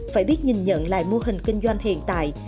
phải biết nhìn nhận lại mô hình kinh doanh hiện tại